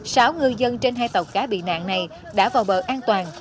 sáu ngư dân trên hai tàu cá bị nạn này đã vào bờ an toàn